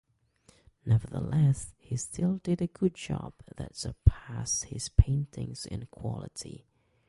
Nevertheless, he still did a good job that surpass his paintings in quality.